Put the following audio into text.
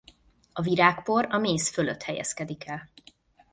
A virágpor a méz fölött helyezkedik el.